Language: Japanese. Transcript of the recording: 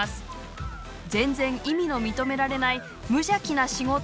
「全然意味の認められない無邪気な仕事を目指した」。